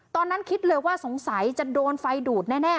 ตอนนั้นคิดเลยว่าสงสัยจะโดนไฟดูดแน่